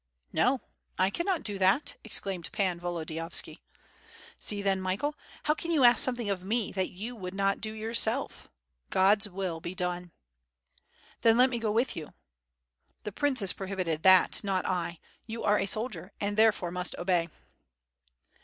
"No, 1 cannot do that," exclaimed Pan Volodiyovski "See then, Michael! how can you ask something of me that you would not do yourself? God's will be done!" "Then let me go with you." "The prince has prohibited that, not I. You are a soldier and therefore must obey."